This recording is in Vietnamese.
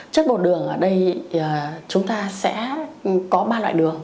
chất bột đường ở đây chúng ta sẽ có ba loại bệnh